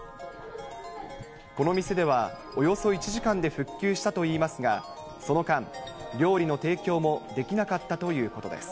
この店では、およそ１時間で復旧したといいますが、その間、料理の提供もできなかったということです。